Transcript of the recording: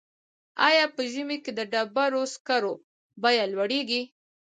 آیا په ژمي کې د ډبرو سکرو بیه لوړیږي؟